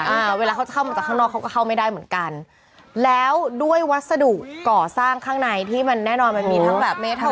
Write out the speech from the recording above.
เวลาเขาจะเข้ามาจากข้างนอกเขาก็เข้าไม่ได้เหมือนกันแล้วด้วยวัสดุก่อสร้างข้างในที่มันแน่นอนมันมีทั้งแบบเมธอ